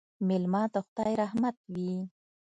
مېلمه د خدای رحمت وي